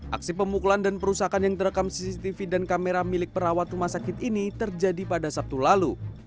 aksi pemukulan dan perusakan yang terekam cctv dan kamera milik perawat rumah sakit ini terjadi pada sabtu lalu